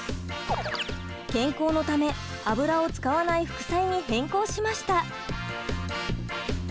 健康のため油を使わない副菜に変更しました。